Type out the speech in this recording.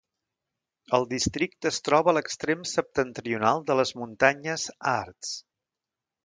El districte es troba a l'extrem septentrional de les muntanyes Harz.